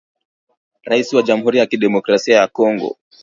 Raisi wa jamhuri ya kidemokrasia ya Kongo